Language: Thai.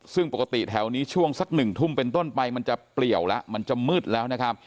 ซึ่งปกติแถวนี้ช่วงสักหนึ่งทุ่มต้นไปจะเปรียวแล้วมันเดินคือมืดแล้ว